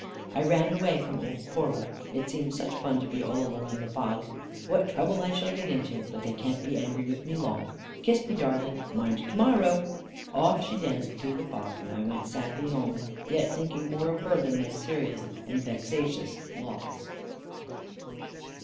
I ran away from old Cora. It seemed such fun to be all alone in the fog. What trouble I shall get into! But they can't be angry with me long. Kiss me, darling. Mind, to morrow!" Off she danced through the fog; and I went sadly home, yet thinking more of her, than of my serious and vexatious loss.